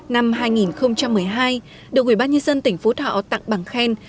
năm hai nghìn một mươi hai được hội văn nhân dân tỉnh phú thọ tặng bằng khen